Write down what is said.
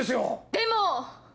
でも！